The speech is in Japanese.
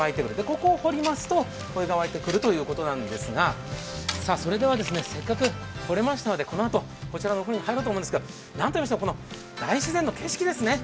ここを掘りますとお湯が湧いてくるということなんですがそれではせっかく掘れましたので、このあとこちらに入ろうと思うんですがなんといいましても大自然の景色ですね。